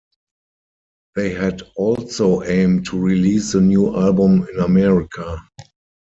They had also aimed to release the new album in America.